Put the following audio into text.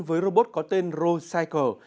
với robot có tên rosecycle